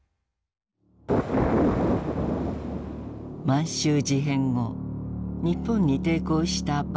満州事変後日本に抵抗した馬占山。